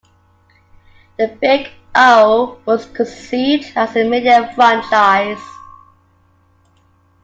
"The Big O" was conceived as a media franchise.